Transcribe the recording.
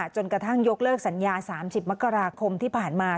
จนกระทั่งยกเลิกสัญญา๓๐มกราคมที่ผ่านมา